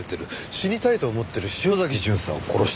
死にたいと思っている潮崎巡査を殺した。